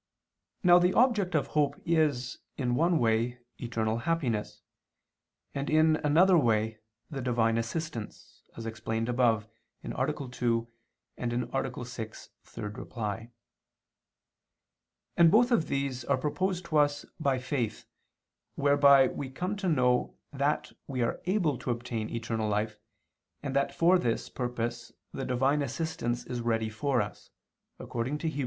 Now the object of hope is, in one way, eternal happiness, and in another way, the Divine assistance, as explained above (A. 2; A. 6, ad 3): and both of these are proposed to us by faith, whereby we come to know that we are able to obtain eternal life, and that for this purpose the Divine assistance is ready for us, according to Heb.